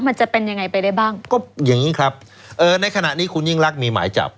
มันจะเป็นยังไงไปได้บ้างก็อย่างงี้ครับเอ่อในขณะนี้คุณยิ่งรักมีหมายจับ